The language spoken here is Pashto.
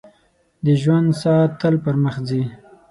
• د ژوند ساعت تل پر مخ ځي.